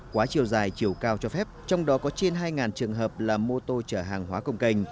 quá chiều dài chiều cao cho phép trong đó có trên hai trường hợp là mô tô chở hàng hóa công cành